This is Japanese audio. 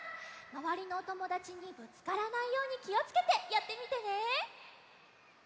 まわりのおともだちにぶつからないようにきをつけてやってみてね！